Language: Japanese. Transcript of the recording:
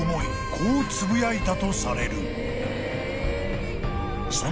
こうつぶやいたとされる］